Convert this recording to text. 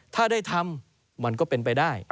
ถ้าได้ทำมันก็เป็นไปได้